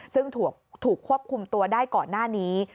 ซึ่งถูกควบคุมตัวได้ก่อนหน้านี้